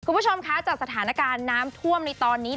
คุณผู้ชมคะจากสถานการณ์น้ำท่วมในตอนนี้